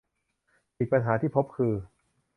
อีกปัญหาที่พบคือ